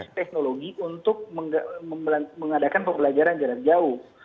dalam sisi teknologi untuk mengadakan pembelajaran jarak jauh